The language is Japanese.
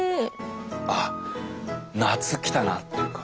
あ夏きたなっていうか。